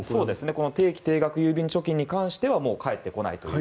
定期・定額郵便貯金に関してはもう帰ってこない。